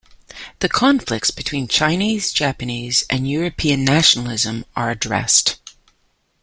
The conflicts between Chinese, Japanese, and European nationalism are addressed.